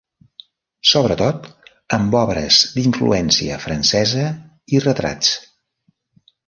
Sobretot amb obres d'influència francesa i retrats.